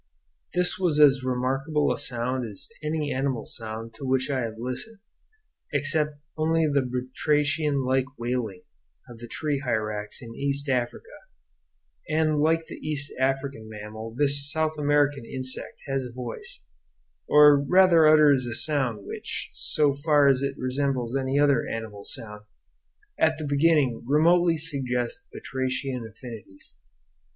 This was as remarkable a sound as any animal sound to which I have listened, except only the batrachian like wailing of the tree hyrax in East Africa; and like the East African mammal this South American insect has a voice, or rather utters a sound which, so far as it resembles any other animal sound, at the beginning remotely suggests batrachian affinities.